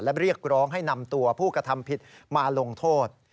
และเรียกร้องให้นำตัวผู้กระทำผิดมาลงโทษ